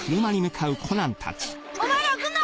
お前らは来るな！